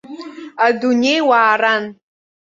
Адунеи уааран.